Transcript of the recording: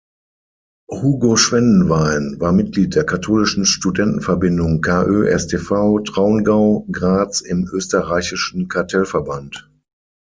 Hugo Schwendenwein war Mitglied der katholischen Studentenverbindung KÖStV Traungau Graz im Österreichischen Cartellverband.